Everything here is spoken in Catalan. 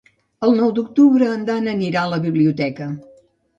El nou d'octubre en Dan anirà a la biblioteca.